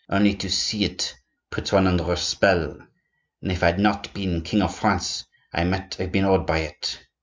Only to see it puts one under a spell, and if I had not been King of France, I might have been awed by it.